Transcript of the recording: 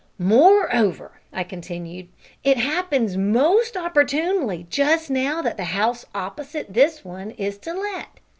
"Moreover," I continued, "it happens most opportunely just now that the house opposite this one is to let.